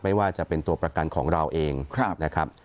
ไม่ว่าจะเป็นตัวประกันของเราเองนะครับ